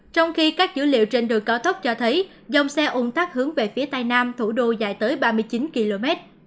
trong khi các dữ liệu trên đồi có thốc cho thấy dòng xe ủng thác hướng về phía tây nam thủ đô dài tới ba mươi chín km